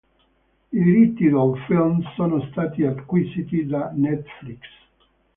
I diritti del film sono stati acquisiti da Netflix.